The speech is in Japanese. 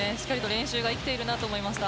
練習が生きているなと思いました。